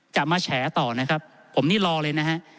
จะมาแฉต่อนะครับผมนี่รอเลยนะฮะ